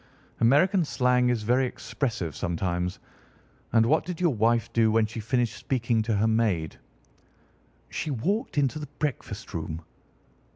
"American slang is very expressive sometimes. And what did your wife do when she finished speaking to her maid?" "She walked into the breakfast room."